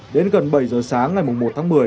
đến gần bảy giờ sáng ngày một tháng một mươi